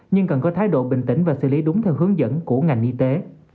nhưng cần có thái độ bình tĩnh và xử lý đúng theo hướng dẫn của ngành y tế